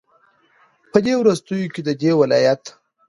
په دې وروستيو كې ددې ولايت